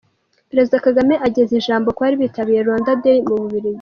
Perezida Kagame ageza ijambo ku bari bitabiriye Rwanda Day mu Bubiligi.